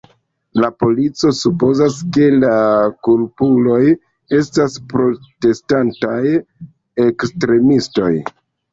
La polico supozas, ke la kulpuloj estas protestantaj ekstremistoj.